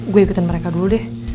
gue ikutin mereka dulu deh